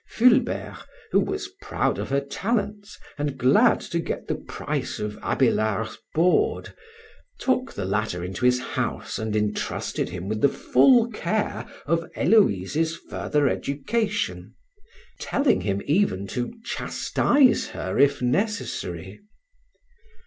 Fulbert, who was proud of her talents, and glad to get the price of Abélard's board, took the latter into his house and intrusted him with the full care of Héloïse's further education, telling him even to chastise her if necessary.